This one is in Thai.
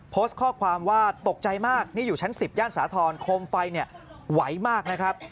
โพสต์ข้อความว่าตกใจมากนี่อยู่ชั้น๑๐ย่านสาธรณ์โคมไฟเนี่ยไหวมากนะครับ